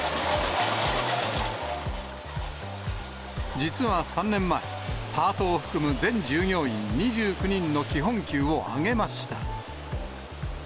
実は３年前、パートを含む全従業員２９人の基本給を上げました。